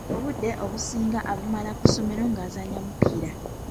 Obudde bwe obusinga abumala ku ssomero ng'azannya mupiira.